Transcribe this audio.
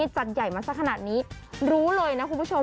จัดใหญ่มาสักขนาดนี้รู้เลยนะคุณผู้ชม